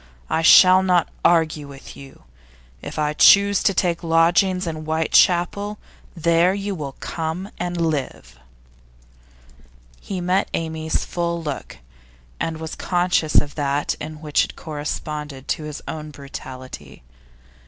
I shall not argue with you. If I choose to take lodgings in Whitechapel, there you will come and live.' He met Amy's full look, and was conscious of that in it which corresponded to his own brutality.